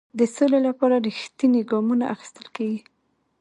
د سولې لپاره رښتیني ګامونه اخیستل کیږي.